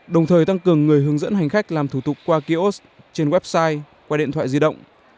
đồng thời tăng cường người hướng dẫn hành khách làm thủ tục qua kiosk trên website qua điện thoại di động